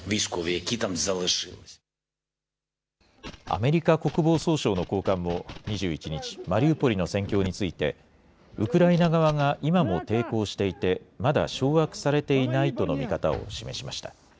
アメリカ国防総省の高官も２１日、マリウポリの戦況について、ウクライナ側が今も抵抗していて、まだ掌握されていないとの見方を示しました。